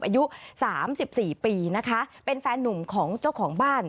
อายุ๓๔ปีนะคะเป็นแฟนหนุ่มของเจ้าของบ้าน